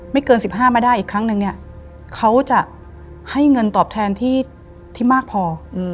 ไม่เกินสิบห้ามาได้อีกครั้งหนึ่งเนี้ยเขาจะให้เงินตอบแทนที่ที่มากพออืม